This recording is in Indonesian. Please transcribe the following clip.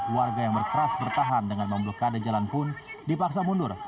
warga yang berkeras bertahan dengan memblokade jalan pun dipaksa mundur